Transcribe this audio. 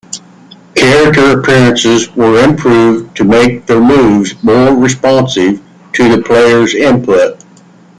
Character appearances were improved to make their moves "more responsive" to the player's input.